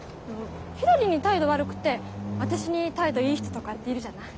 ひらりに態度悪くて私に態度いい人とかっているじゃない？